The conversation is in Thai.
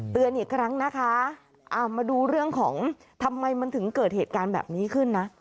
อีกครั้งนะคะเอามาดูเรื่องของทำไมมันถึงเกิดเหตุการณ์แบบนี้ขึ้นนะ